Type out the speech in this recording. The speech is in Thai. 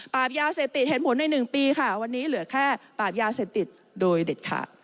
ยาเสพติดเห็นผลใน๑ปีค่ะวันนี้เหลือแค่ปราบยาเสพติดโดยเด็ดขาด